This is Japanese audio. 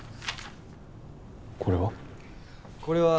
これは？